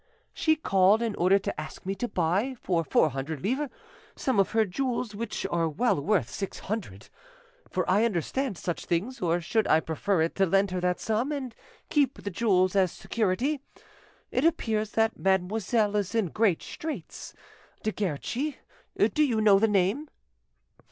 "She called in order to ask me to buy, for four hundred livres, some of her jewels which are well worth six hundred, for I understand such things; or should I prefer it to lend her that sum and keep the jewels as security? It appears that mademoiselle is in great straits. De Guerchi—do you know the name?"